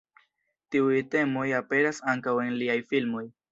Tiuj temoj aperas ankaŭ en liaj filmoj.